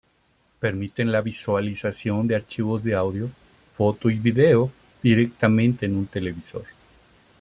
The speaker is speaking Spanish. Permiten la visualización de archivos de audio, foto y vídeo directamente en un televisor.